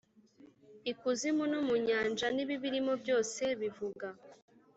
ikuzimu no mu nyanja n’ibibirimo byose bivuga